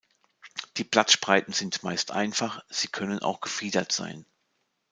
Die Blattspreiten sind meist einfach; sie können auch gefiedert sein.